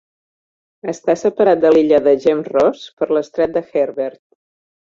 Està separat de l'illa de James Ross per l'estret de Herbert.